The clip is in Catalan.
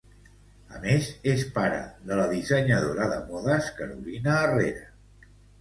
A més, és pare de la dissenyadora de modes Carolina Herrera.